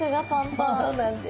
そうなんです。